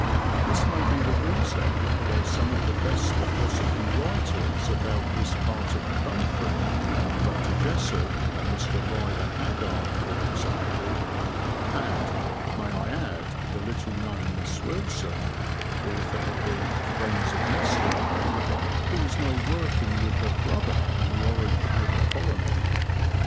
This may be the reason why some of the best of gossiping writers about this part of the country, Dr. Jessopp and Mr. Rider Haggard for example (and, may I add, the little known Miss Wilson, author of the Friends of Yesterday, who is now working with her brother in the Orange River Colony?)